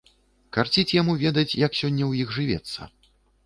Карціць яму ведаць, як сёння ў іх жывецца.